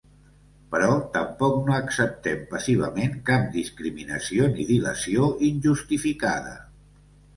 Però tampoc no acceptem passivament cap discriminació ni dilació injustificada.